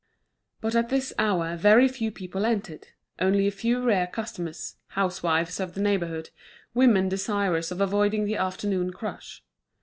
But at this hour very few people entered, only a few rare customers, housewives of the neighbourhood, women desirous of avoiding the afternoon crush.